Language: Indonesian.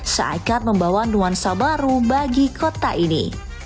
seakan membawa nuansa baru bagi kota ini